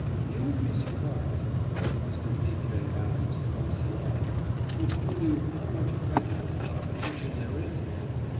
"You would be surprised," writes Mr. B. K. Adams, from Ceylon, "if you knew how much prejudice and opposition there is here.